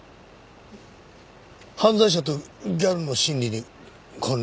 犯罪者とギャルの心理に関連があるのか？